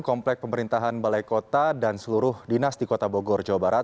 komplek pemerintahan balai kota dan seluruh dinas di kota bogor jawa barat